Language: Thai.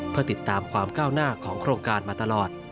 เพื่อติดตามความก้าวหน้าของโครงการมาตลอด